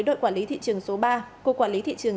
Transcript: đội quản lý thị trường số ba của quản lý thị trường